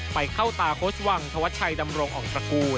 ไปเข้าตาโค้ชวังทวชัยดำรงองค์ประกูล